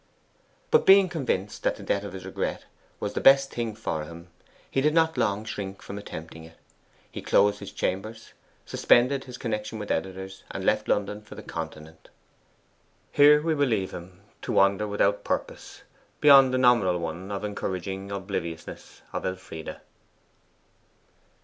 But being convinced that the death of this regret was the best thing for him, he did not long shrink from attempting it. He closed his chambers, suspended his connection with editors, and left London for the Continent. Here we will leave him to wander without purpose, beyond the nominal one of encouraging obliviousness of Elfride.